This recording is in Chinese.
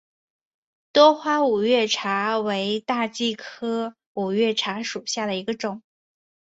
多花五月茶为大戟科五月茶属下的一个种。